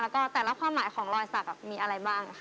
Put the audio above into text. แล้วก็แต่ละความหมายของรอยสักมีอะไรบ้างค่ะ